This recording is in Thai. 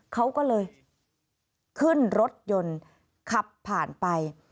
เขาก็เลยขึ้นรถยนต์ขับผ่านไป